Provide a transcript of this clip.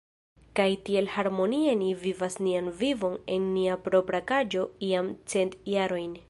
Kaj tiel harmonie ni vivas nian vivon en nia propra kaĝo jam cent jarojn.